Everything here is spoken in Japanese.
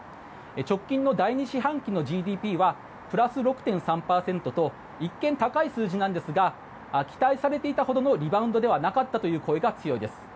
直近の第２四半期のＧＤＰはプラス６．３％と一見高い数字なんですが期待されていたほどのリバウンドではなかったという声が強いです。